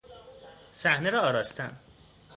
صحنه را آراستن